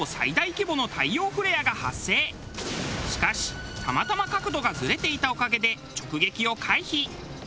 しかしたまたま角度がずれていたおかげで直撃を回避。